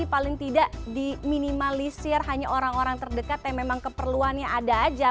paling tidak diminimalisir hanya orang orang terdekat yang memang keperluannya ada aja